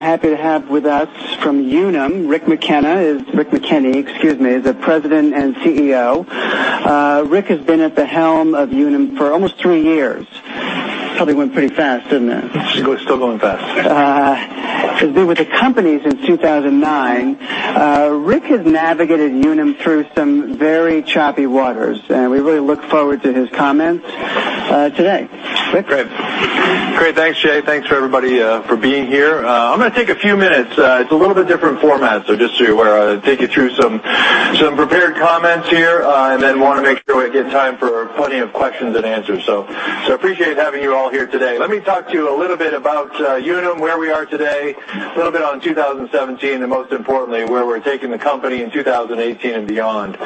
Happy to have with us from Unum, Rick McKenney, excuse me, is the President and CEO. Rick has been at the helm of Unum for almost three years. Probably went pretty fast, didn't it? Still going fast. To do with the companies in 2009. Rick has navigated Unum through some very choppy waters. We really look forward to his comments today. Rick? Great. Thanks, Jay. Thanks for everybody for being here. I'm going to take a few minutes. It's a little bit different format. Just so you're aware. I'll take you through some prepared comments here. Want to make sure we get time for plenty of questions and answers. Appreciate having you all here today. Let me talk to you a little bit about Unum, where we are today, a little bit on 2017. Most importantly, where we're taking the company in 2018 and beyond.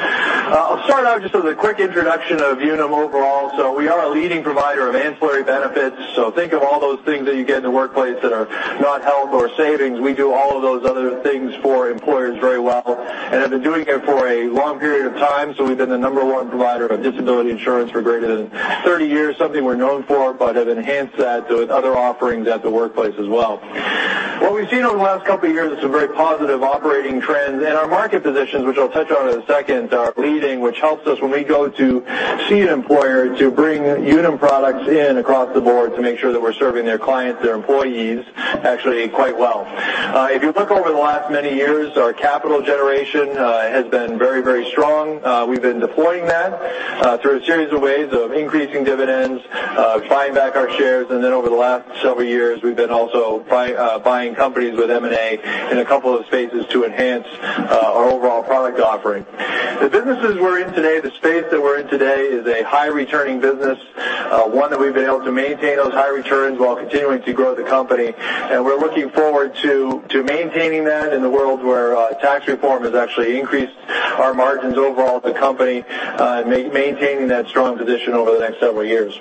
I'll start out just with a quick introduction of Unum overall. We are a leading provider of ancillary benefits. Think of all those things that you get in the workplace that are not health or savings. We do all of those other things for employers very well and have been doing it for a long period of time. We've been the number one provider of disability insurance for greater than 30 years, something we're known for, but have enhanced that with other offerings at the workplace as well. What we've seen over the last couple of years is some very positive operating trends, and our market positions, which I'll touch on in a second, are leading, which helps us when we go to see each employer to bring Unum products in across the board to make sure that we're serving their clients, their employees, actually quite well. If you look over the last many years, our capital generation has been very, very strong. We've been deploying that through a series of ways of increasing dividends, buying back our shares, and then over the last several years, we've been also buying companies with M&A in a couple of spaces to enhance our overall product offering. The businesses we're in today, the space that we're in today, is a high-returning business, one that we've been able to maintain those high returns while continuing to grow the company. We're looking forward to maintaining that in the world where tax reform has actually increased our margins overall at the company, maintaining that strong position over the next several years.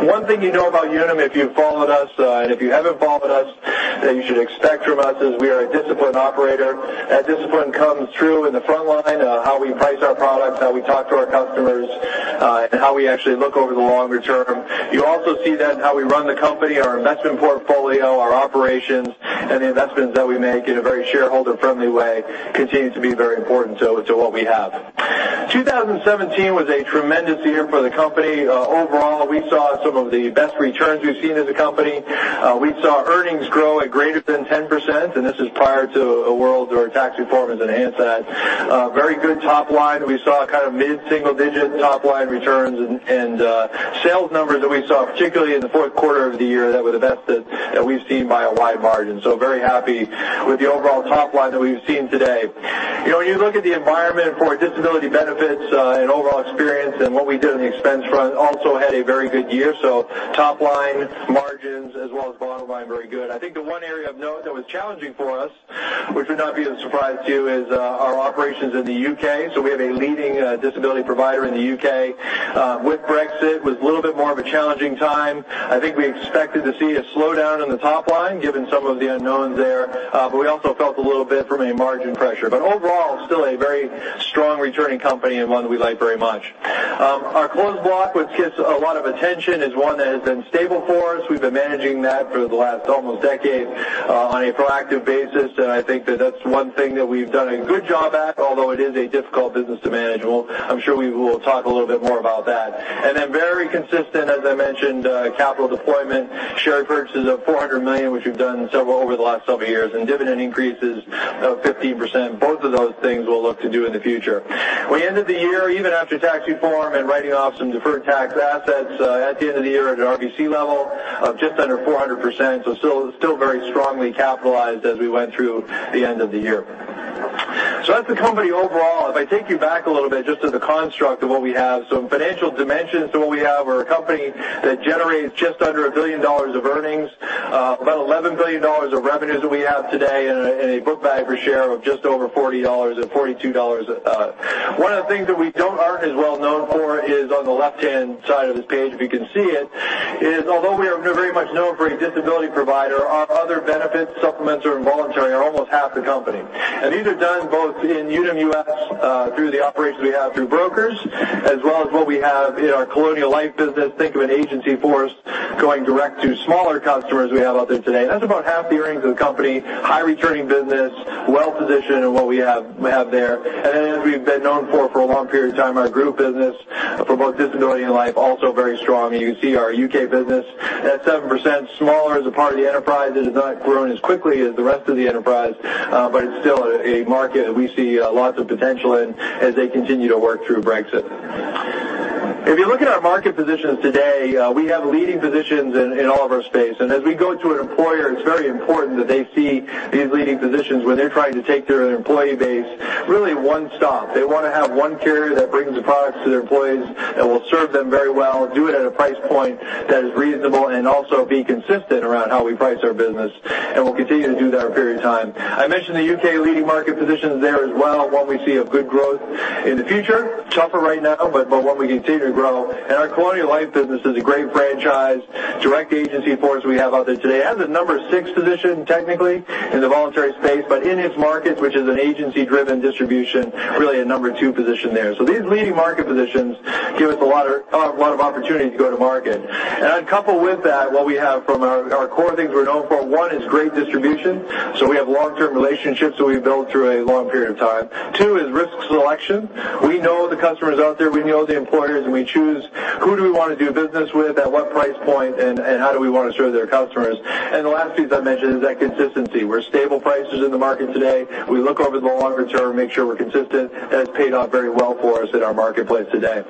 One thing you know about Unum, if you've followed us, and if you haven't followed us, that you should expect from us, is we are a disciplined operator. That discipline comes through in the front line, how we price our products, how we talk to our customers, and how we actually look over the longer term. You also see that in how we run the company, our investment portfolio, our operations, and the investments that we make in a very shareholder-friendly way continue to be very important to what we have. 2017 was a tremendous year for the company. Overall, we saw some of the best returns we've seen as a company. We saw earnings grow at greater than 10%, and this is prior to a world where tax reform has enhanced that. Very good top line. We saw a kind of mid-single-digit top-line returns and sales numbers that we saw, particularly in the fourth quarter of the year, that were the best that we've seen by a wide margin. Very happy with the overall top line that we've seen today. When you look at the environment for disability benefits and overall experience and what we did on the expense front, also had a very good year. Top line margins as well as bottom line, very good. I think the one area of note that was challenging for us, which would not be a surprise to you, is our operations in the U.K. We have a leading disability provider in the U.K. With Brexit, it was a little bit more of a challenging time. I think we expected to see a slowdown in the top line, given some of the unknowns there. We also felt a little bit from a margin pressure. Overall, still a very strong returning company and one we like very much. Our closed block, which gets a lot of attention, is one that has been stable for us. We've been managing that for the last almost decade on a proactive basis. I think that that's one thing that we've done a good job at, although it is a difficult business to manage. I'm sure we will talk a little bit more about that. Very consistent, as I mentioned, capital deployment, share purchases of $400 million, which we've done over the last several years, and dividend increases of 15%. Both of those things we'll look to do in the future. We ended the year, even after tax reform and writing off some deferred tax assets at the end of the year at an RBC level of just under 400%, still very strongly capitalized as we went through the end of the year. That's the company overall. If I take you back a little bit just to the construct of what we have. Some financial dimensions to what we have are a company that generates just under $1 billion of earnings, about $11 billion of revenues that we have today, and a book value per share of just over $40 and $42. One of the things that we aren't as well known for is on the left-hand side of this page, if you can see it, is although we are very much known for a disability provider, our other benefits, supplements, or voluntary, are almost half the company. These are done both in Unum US, through the operations we have through brokers, as well as what we have in our Colonial Life business. Think of an agency force going direct to smaller customers we have out there today. That's about half the earnings of the company, high returning business, well-positioned in what we have there. As we've been known for for a long period of time, our group business for both disability and life, also very strong. You can see our U.K. business at 7%, smaller as a part of the enterprise. It has not grown as quickly as the rest of the enterprise, but it's still a market that we see lots of potential in as they continue to work through Brexit. If you look at our market positions today, we have leading positions in all of our space, and as we go to an employer, it's very important that they see these leading positions when they're trying to take their employee base, really one stop. They want to have one carrier that brings the products to their employees, that will serve them very well, do it at a price point that is reasonable, also be consistent around how we price our business. We'll continue to do that for a period of time. I mentioned the U.K. leading market positions there as well, one we see of good growth in the future. Tougher right now, but one we continue to grow. Our Colonial Life business is a great franchise. Direct agency force we have out there today has a number 6 position technically in the voluntary space, but in its market, which is an agency-driven distribution, really a number 2 position there. These leading market positions give us a lot of opportunity to go to market. Coupled with that, what we have from our core things we're known for, one, is great distribution. We have long-term relationships that we've built through a long period of time. Two is risk selection. We know the customers out there, we know the employers, and we choose who do we want to do business with, at what price point, and how do we want to serve their customers. The last piece I mentioned is that consistency. We're stable prices in the market today. We look over the longer term, make sure we're consistent, and it's paid off very well for us in our marketplace today.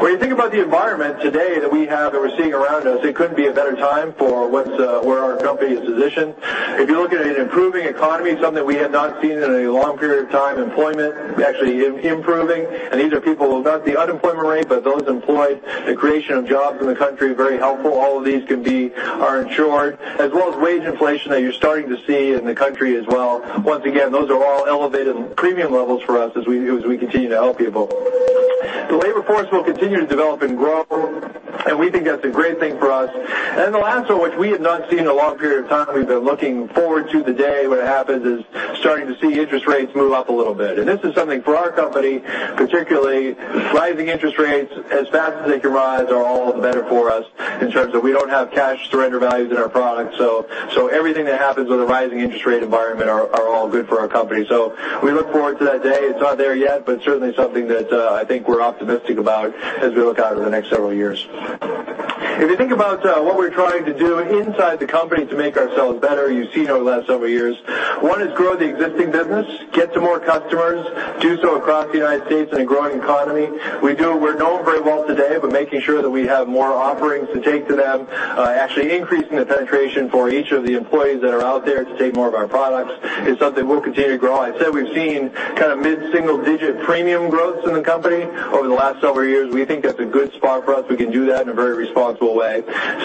When you think about the environment today that we have, that we're seeing around us, it couldn't be a better time for where our company is positioned. If you're looking at an improving economy, something we have not seen in a long period of time, employment actually improving. These are people who, not the unemployment rate, but those employed, the creation of jobs in the country, very helpful. All of these are insured, as well as wage inflation that you're starting to see in the country as well. Once again, those are all elevated premium levels for us as we continue to help people. The labor force will continue to develop and grow, and we think that's a great thing for us. The last of which we have not seen in a long period of time, we've been looking forward to the day when it happens, is starting to see interest rates move up a little bit. This is something for our company, particularly rising interest rates, as fast as they can rise, are all the better for us in terms of we don't have cash surrender values in our product. Everything that happens with a rising interest rate environment are all good for our company. We look forward to that day. It's not there yet, but certainly something that I think we're optimistic about as we look out over the next several years. If you think about what we're trying to do inside the company to make ourselves better, you've seen over the last several years. One is grow the existing business, get to more customers, do so across the U.S. in a growing economy. We're known very well today, making sure that we have more offerings to take to them, actually increasing the penetration for each of the employees that are out there to take more of our products is something we'll continue to grow. I'd say we've seen mid-single-digit premium growth in the company over the last several years. We think that's a good spot for us. We can do that in a very responsible way.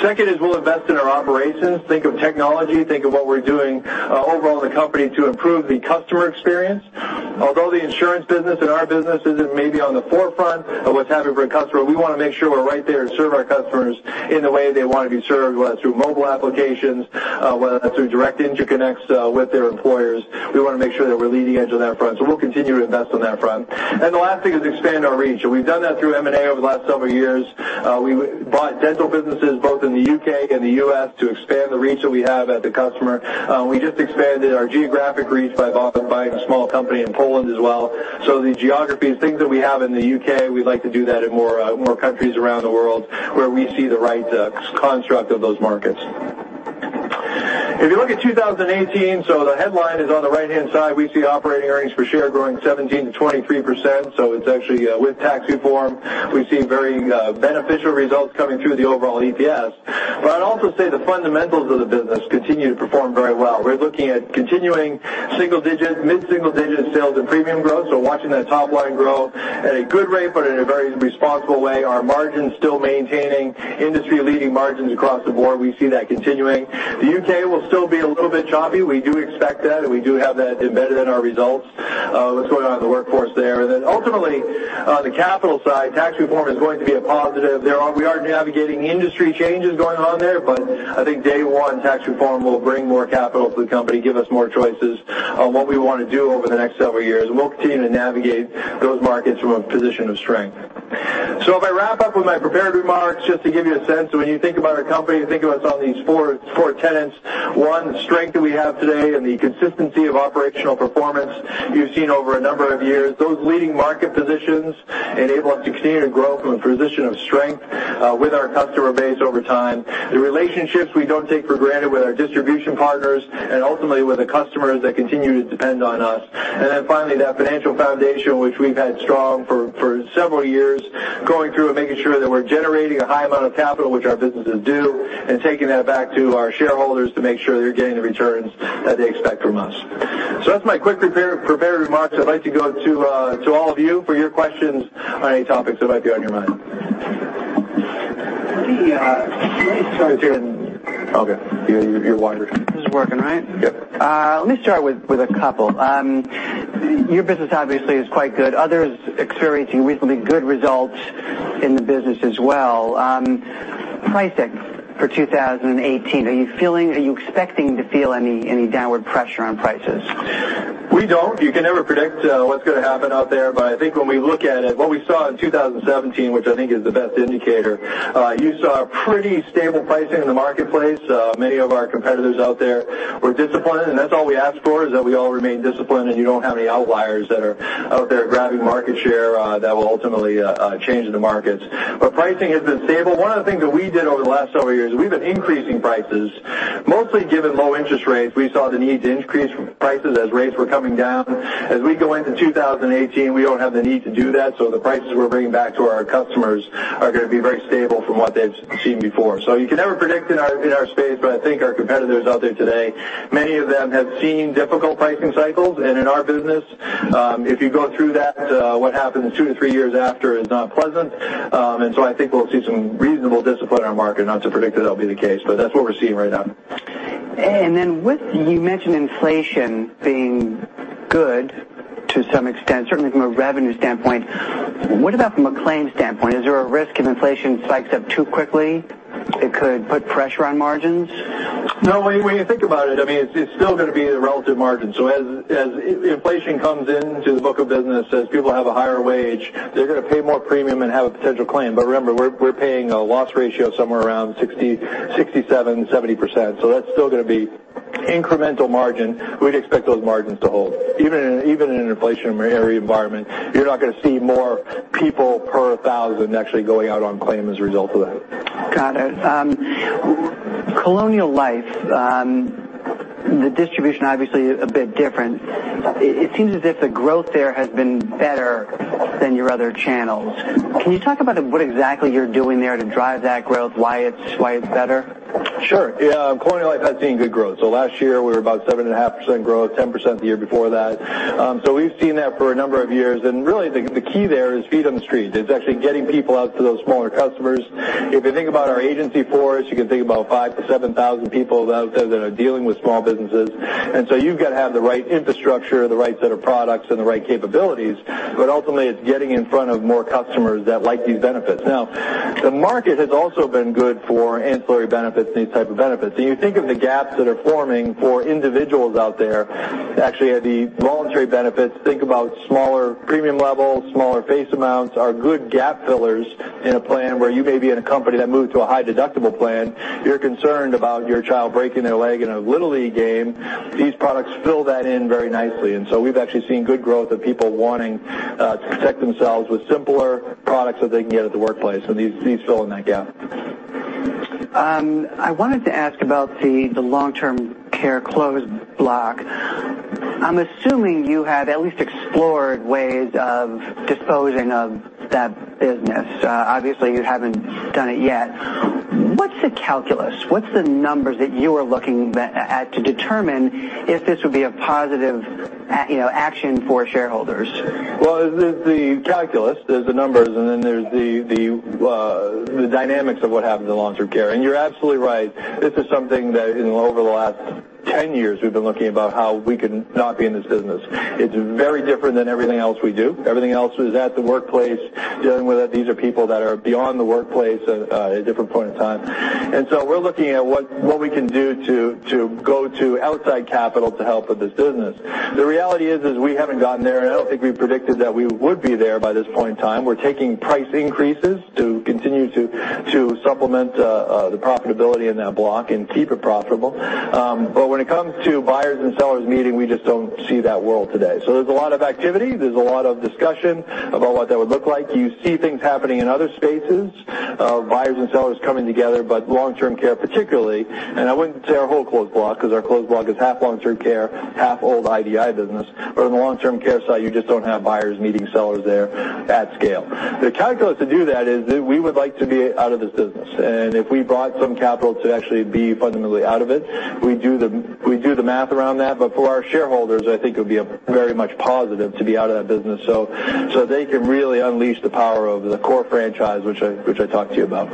Second is we'll invest in our operations, think of technology, think of what we're doing overall in the company to improve the customer experience. Although the insurance business and our business isn't maybe on the forefront of what's happening for a customer, we want to make sure we're right there to serve our customers in the way they want to be served, whether that's through mobile applications, whether that's through direct interconnects with their employers. We want to make sure that we're leading edge on that front. We'll continue to invest on that front. The last thing is expand our reach, and we've done that through M&A over the last several years. We bought dental businesses both in the U.K. and the U.S. to expand the reach that we have at the customer. We just expanded our geographic reach by buying a small company in Poland as well. The geography, things that we have in the U.K., we'd like to do that in more countries around the world where we see the right construct of those markets. If you look at 2018, the headline is on the right-hand side, we see operating earnings per share growing 17%-23%. It's actually with tax reform. We've seen very beneficial results coming through the overall EPS. I'd also say the fundamentals of the business continue to perform very well. We're looking at continuing mid-single digit sales and premium growth. Watching that top line grow at a good rate, but in a very responsible way. Our margins still maintaining, industry-leading margins across the board. We see that continuing. The U.K. will still be a little bit choppy. We do expect that, and we do have that embedded in our results, what's going on in the workforce there. Ultimately, on the capital side, tax reform is going to be a positive. We are navigating industry changes going on there, but I think day one, tax reform will bring more capital to the company, give us more choices on what we want to do over the next several years. We'll continue to navigate those markets from a position of strength. If I wrap up with my prepared remarks, just to give you a sense of when you think about our company, think of us on these four tenets. One, strength that we have today and the consistency of operational performance you've seen over a number of years. Those leading market positions enable us to continue to grow from a position of strength with our customer base over time. The relationships we don't take for granted with our distribution partners and ultimately with the customers that continue to depend on us. Finally, that financial foundation, which we've had strong for several years, going through and making sure that we're generating a high amount of capital, which our businesses do, and taking that back to our shareholders to make sure they're getting the returns that they expect from us. That's my quick prepared remarks. I'd like to go to all of you for your questions on any topics that might be on your mind. Let me start. It's here. Okay. Your wire. This is working, right? Yep. Let me start with a couple. Your business obviously is quite good. Others experiencing recently good results in the business as well. Pricing for 2018, are you expecting to feel any downward pressure on prices? We don't. You can never predict what's going to happen out there. I think when we look at it, what we saw in 2017, which I think is the best indicator, you saw pretty stable pricing in the marketplace. Many of our competitors out there were disciplined, and that's all we ask for, is that we all remain disciplined and you don't have any outliers that are out there grabbing market share that will ultimately change the markets. Pricing has been stable. One of the things that we did over the last several years is we've been increasing prices. Mostly given low interest rates, we saw the need to increase prices as rates were coming down. As we go into 2018, we don't have the need to do that, so the prices we're bringing back to our customers are going to be very stable from what they've seen before. You can never predict in our space, but I think our competitors out there today, many of them have seen difficult pricing cycles. In our business, if you go through that, what happens two to three years after is not pleasant. I think we'll see some reasonable discipline in our market, not to predict that'll be the case, but that's what we're seeing right now. You mentioned inflation being good to some extent, certainly from a revenue standpoint. What about from a claims standpoint? Is there a risk if inflation spikes up too quickly, it could put pressure on margins? No, when you think about it's still going to be the relative margin. As inflation comes into the book of business, as people have a higher wage, they're going to pay more premium and have a potential claim. Remember, we're paying a loss ratio somewhere around 67%-70%. That's still going to be incremental margin. We'd expect those margins to hold. Even in an inflationary environment, you're not going to see more people per thousand actually going out on claim as a result of that. Got it. Colonial Life, the distribution obviously is a bit different. It seems as if the growth there has been better than your other channels. Can you talk about what exactly you're doing there to drive that growth, why it's better? Sure. Yeah. Colonial Life has seen good growth. Last year, we were about 7.5% growth, 10% the year before that. We've seen that for a number of years, and really, the key there is feet on the street. It's actually getting people out to those smaller customers. If you think about our agency force, you can think about 5,000 to 7,000 people out there that are dealing with small businesses. You've got to have the right infrastructure, the right set of products, and the right capabilities, but ultimately, it's getting in front of more customers that like these benefits. The market has also been good for ancillary benefits and these type of benefits. You think of the gaps that are forming for individuals out there, actually the voluntary benefits, think about smaller premium levels, smaller face amounts are good gap fillers in a plan where you may be in a company that moved to a high-deductible plan. You're concerned about your child breaking their leg in a Little League game. These products fill that in very nicely, we've actually seen good growth of people wanting to protect themselves with simpler products that they can get at the workplace, these fill in that gap. I wanted to ask about the long-term care closed block. I'm assuming you have at least explored ways of disposing of that business. You haven't done it yet. What's the calculus? What's the numbers that you are looking at to determine if this would be a positive action for shareholders? Well, there's the calculus, there's the numbers, then there's the dynamics of what happens in long-term care. You're absolutely right. This is something that over the last 10 years, we've been looking about how we can not be in this business. It's very different than everything else we do. Everything else is at the workplace, dealing with it. These are people that are beyond the workplace at a different point in time. We're looking at what we can do to go to outside capital to help with this business. The reality is we haven't gotten there, and I don't think we predicted that we would be there by this point in time. We're taking price increases to continue to supplement the profitability in that block and keep it profitable. When it comes to buyers and sellers meeting, we just don't see that world today. There's a lot of activity. There's a lot of discussion about what that would look like. You see things happening in other spaces, buyers and sellers coming together, but long-term care particularly, and I wouldn't say our whole closed block because our closed block is half long-term care, half old IDI business. On the long-term care side, you just don't have buyers meeting sellers there at scale. The calculus to do that is that we would like to be out of this business, and if we brought some capital to actually be fundamentally out of it, we'd do the math around that. For our shareholders, I think it would be very much positive to be out of that business so they can really unleash the power of the core franchise, which I talked to you about.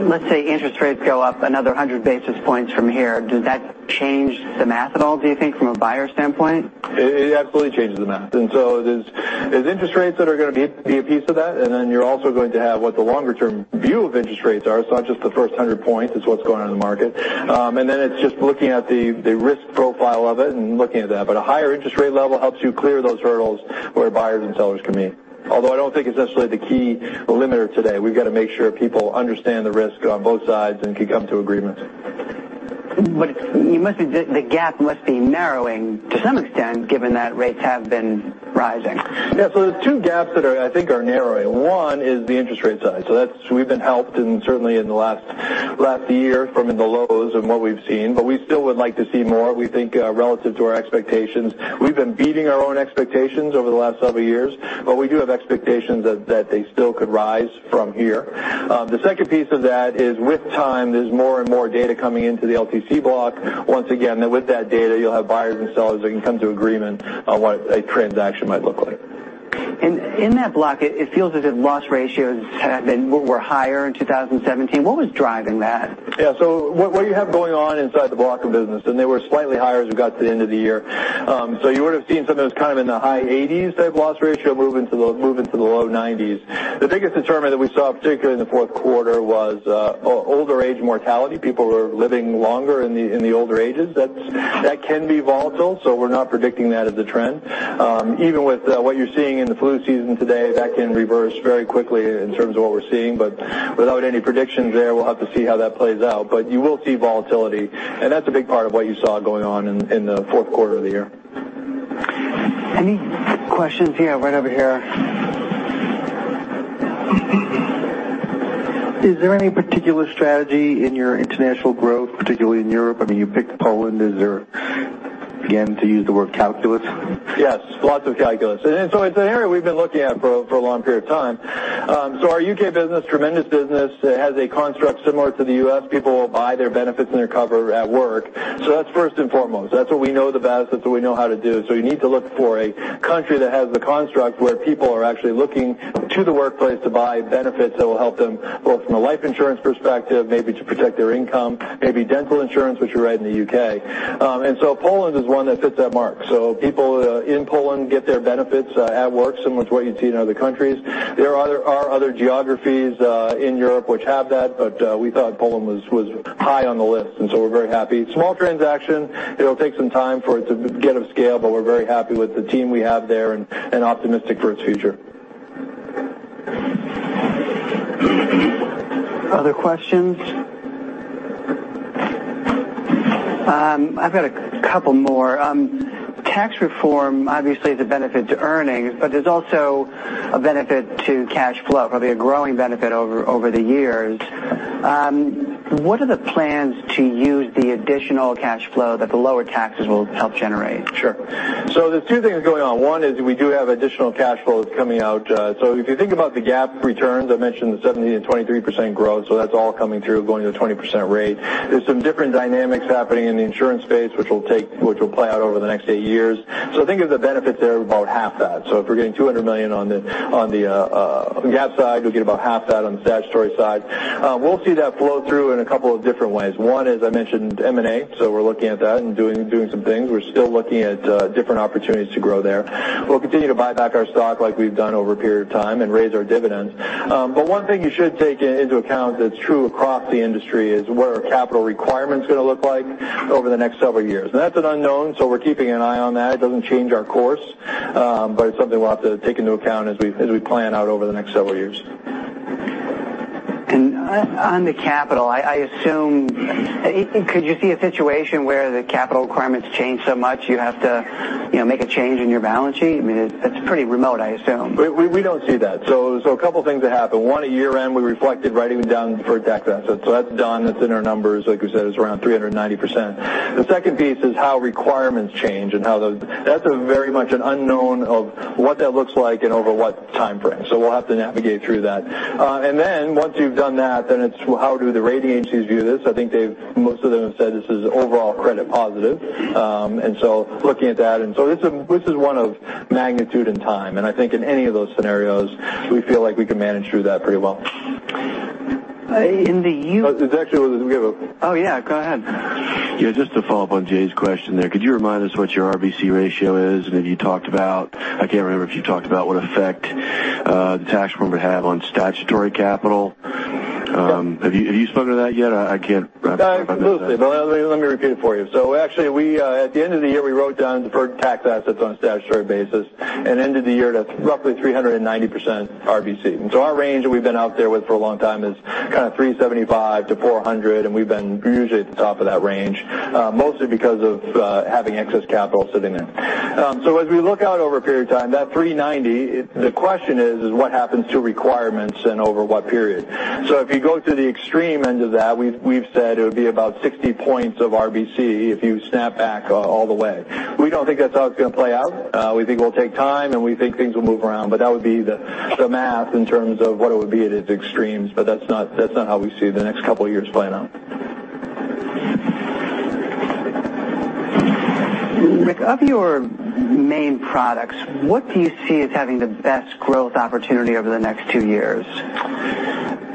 Let's say interest rates go up another 100 basis points from here. Does that change the math at all, do you think, from a buyer standpoint? It absolutely changes the math. There's interest rates that are going to be a piece of that, then you're also going to have what the longer-term view of interest rates are. It's not just the first 100 points. It's what's going on in the market. Then it's just looking at the risk profile of it and looking at that. A higher interest rate level helps you clear those hurdles where buyers and sellers can meet. Although I don't think it's necessarily the key limiter today. We've got to make sure people understand the risk on both sides and can come to agreements. The gap must be narrowing to some extent, given that rates have been rising. There's two gaps that I think are narrowing. One is the interest rate side. We've been helped certainly in the last year from the lows of what we've seen. We still would like to see more, we think, relative to our expectations. We've been beating our own expectations over the last several years, we do have expectations that they still could rise from here. The second piece of that is with time, there's more and more data coming into the LTC block. Once again, with that data, you'll have buyers and sellers that can come to agreement on what a transaction might look like. In that block, it feels as if loss ratios were higher in 2017. What was driving that? What you have going on inside the block of business, they were slightly higher as we got to the end of the year. You would've seen some of those kind of in the high 80s of loss ratio move into the low 90s. The biggest determinant that we saw, particularly in the fourth quarter, was older age mortality. People are living longer in the older ages. That can be volatile, so we're not predicting that as a trend. Even with what you're seeing in the flu season today, that can reverse very quickly in terms of what we're seeing. Without any predictions there, we'll have to see how that plays out. You will see volatility, and that's a big part of what you saw going on in the fourth quarter of the year. Any questions? Yeah, right over here. Is there any particular strategy in your international growth, particularly in Europe? I mean, you picked Poland. Is there, again, to use the word calculus? Yes. Lots of calculus. It's an area we've been looking at for a long period of time. Our U.K. business, tremendous business, it has a construct similar to the U.S. People will buy their benefits and their cover at work. That's first and foremost. That's what we know the best, that's what we know how to do. You need to look for a country that has the construct where people are actually looking to the workplace to buy benefits that will help them both from a life insurance perspective, maybe to protect their income, maybe dental insurance, which are right in the U.K. Poland is one that fits that mark. People in Poland get their benefits at work, similar to what you'd see in other countries. There are other geographies in Europe which have that, but we thought Poland was high on the list, and so we're very happy. Small transaction, it'll take some time for it to get up to scale, but we're very happy with the team we have there and optimistic for its future. Other questions? I've got a couple more. Tax reform obviously is a benefit to earnings, but there's also a benefit to cash flow, probably a growing benefit over the years. What are the plans to use the additional cash flow that the lower taxes will help generate? Sure. There's two things going on. One is we do have additional cash flows coming out. If you think about the GAAP returns, I mentioned the 17% and 23% growth. That's all coming through going to the 20% rate. There's some different dynamics happening in the insurance space, which will play out over the next eight years. Think of the benefits there are about half that. If we're getting $200 million on the GAAP side, you'll get about half that on the statutory side. We'll see that flow through in a couple of different ways. One, as I mentioned, M&A. We're looking at that and doing some things. We're still looking at different opportunities to grow there. We'll continue to buy back our stock like we've done over a period of time and raise our dividends. One thing you should take into account that's true across the industry is what are capital requirements going to look like over the next several years? That's an unknown, so we're keeping an eye on that. It doesn't change our course, but it's something we'll have to take into account as we plan out over the next several years. On the capital, could you see a situation where the capital requirements change so much you have to make a change in your balance sheet? I mean, that's pretty remote, I assume. We don't see that. A couple of things that happen. One, at year-end, we reflected writing down for tax assets. That's done. That's in our numbers. Like we said, it's around 390%. The second piece is how requirements change and how that's a very much an unknown of what that looks like and over what timeframe. We'll have to navigate through that. Once you've done that, it's how do the rating agencies view this? I think most of them have said this is overall credit positive. Looking at that, this is one of magnitude and time, and I think in any of those scenarios, we feel like we can manage through that pretty well. In the U- There's actually, we have a- Oh, yeah, go ahead. Yeah, just to follow up on Jay's question there, could you remind us what your RBC ratio is? Have you talked about, I can't remember if you talked about what effect the tax reform would have on statutory capital? Yep. Have you spoken to that yet? I can't remember if I missed that. Absolutely. Let me repeat it for you. Actually at the end of the year, we wrote down deferred tax assets on a statutory basis and ended the year at roughly 390% RBC. Our range that we've been out there with for a long time is kind of 375%-400%, and we've been usually at the top of that range, mostly because of having excess capital sitting there. As we look out over a period of time, that 390, the question is what happens to requirements and over what period? If you go to the extreme end of that, we've said it would be about 60 points of RBC if you snap back all the way. We don't think that's how it's going to play out. We think it'll take time, and we think things will move around, that would be the math in terms of what it would be at its extremes. That's not how we see the next couple of years playing out. Rick, of your main products, what do you see as having the best growth opportunity over the next two years?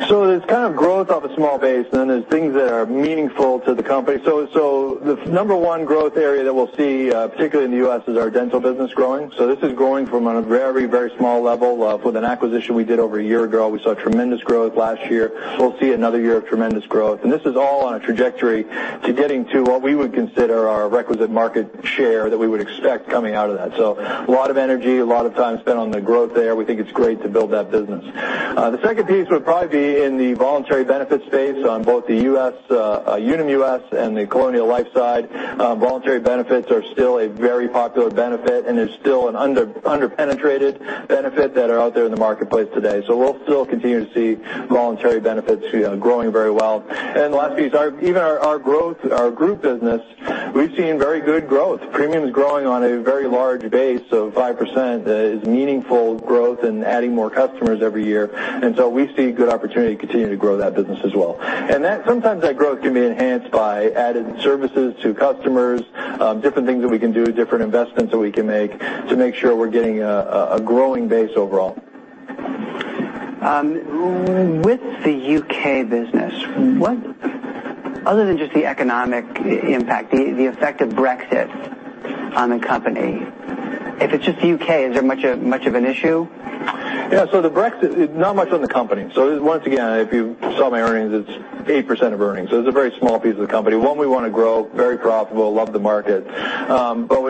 There's kind of growth off a small base, there's things that are meaningful to the company. The number one growth area that we'll see, particularly in the U.S., is our dental business growing. This is growing from a very, very small level. With an acquisition we did over a year ago, we saw tremendous growth last year. We'll see another year of tremendous growth, and this is all on a trajectory to getting to what we would consider our requisite market share that we would expect coming out of that. A lot of energy, a lot of time spent on the growth there. We think it's great to build that business. The second piece would probably be in the voluntary benefits space on both the Unum U.S. and the Colonial Life side. Voluntary benefits are still a very popular benefit and is still an under-penetrated benefit that are out there in the marketplace today. We'll still continue to see voluntary benefits growing very well. The last piece, even our group business, we've seen very good growth. Premiums growing on a very large base of 5% is meaningful growth and adding more customers every year. We see good opportunity to continue to grow that business as well. Sometimes that growth can be enhanced by added services to customers, different things that we can do, different investments that we can make to make sure we're getting a growing base overall. With the U.K. business, other than just the economic impact, the effect of Brexit on the company, if it's just the U.K., is there much of an issue? Yeah. The Brexit, not much on the company. Once again, if you saw my earnings, it's 8% of earnings. It's a very small piece of the company. One, we want to grow, very profitable, love the market.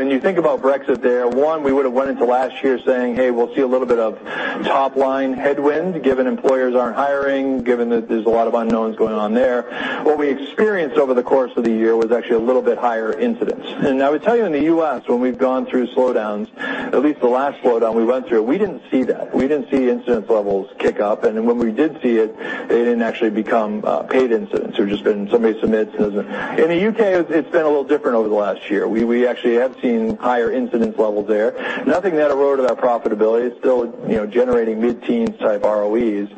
When you think about Brexit there, one, we would've went into last year saying, "Hey, we'll see a little bit of top-line headwind, given employers aren't hiring, given that there's a lot of unknowns going on there." What we experienced over the course of the year was actually a little bit higher incidence. I would tell you in the U.S., when we've gone through slowdowns, at least the last slowdown we went through, we didn't see that. We didn't see incidence levels kick up, and then when we did see it, they didn't actually become paid incidents. Just been somebody submits, doesn't In the U.K., it's been a little different over the last year. We actually have seen higher incidence levels there. Nothing that eroded our profitability. It's still generating mid-teens type ROEs.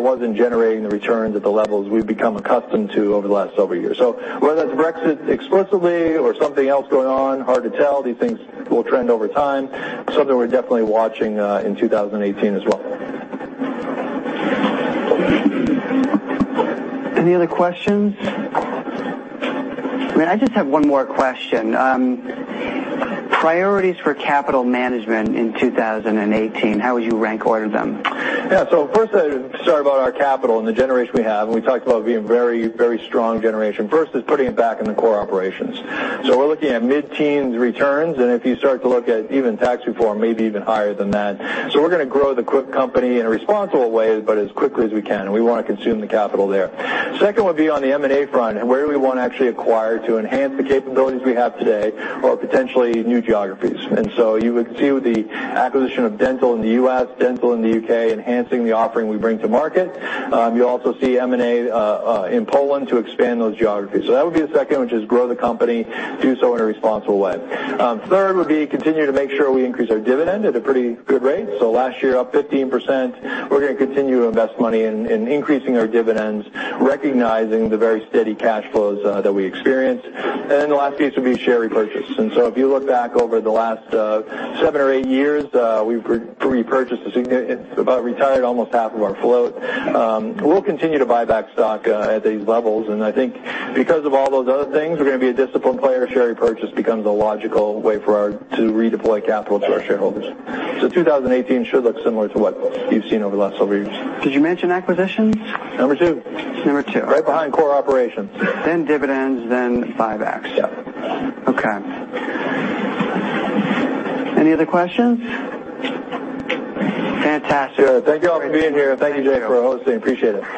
It wasn't generating the returns at the levels we've become accustomed to over the last several years. Whether that's Brexit explicitly or something else going on, hard to tell. These things will trend over time. Something we're definitely watching in 2018 as well. Any other questions? I just have one more question. Priorities for capital management in 2018, how would you rank order them? Yeah. First, sorry about our capital and the generation we have, and we talked about being very strong generation. First is putting it back in the core operations. We're looking at mid-teens returns, and if you start to look at even tax reform, maybe even higher than that. We're going to grow the company in a responsible way, but as quickly as we can, and we want to consume the capital there. Second would be on the M&A front and where we want to actually acquire to enhance the capabilities we have today or potentially new geographies. You would see with the acquisition of dental in the U.S., dental in the U.K., enhancing the offering we bring to market. You'll also see M&A in Poland to expand those geographies. That would be the second, which is grow the company, do so in a responsible way. Third would be continue to make sure we increase our dividend at a pretty good rate. Last year, up 15%. We're going to continue to invest money in increasing our dividends, recognizing the very steady cash flows that we experience. The last piece would be share repurchase. If you look back over the last seven or eight years, we've repurchased a significant, about retired almost half of our float. We'll continue to buy back stock at these levels, and I think because of all those other things, we're going to be a disciplined player. Share repurchase becomes a logical way to redeploy capital to our shareholders. 2018 should look similar to what you've seen over the last several years. Did you mention acquisitions? Number 2. Number 2. Right behind core operations. Dividends, then buybacks. Yeah. Okay. Any other questions? Fantastic. Good. Thank you all for being here. Thank you, Jay, for hosting. Appreciate it.